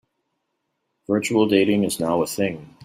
Virtual dating is now a thing.